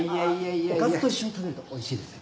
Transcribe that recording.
おかずと一緒に食べるとおいしいですよ。